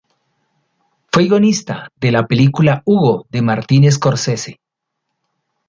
Fue guionista de la película "Hugo" de Martin Scorsese.